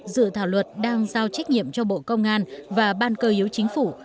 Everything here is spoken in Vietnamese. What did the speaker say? dự thảo luật đang giao trách nhiệm cho bộ công an và ban cơ yếu chính phủ